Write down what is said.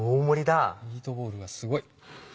ミートボールがすごい。